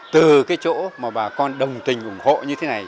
từ cái chỗ mà bà con đồng tình ủng hộ như thế này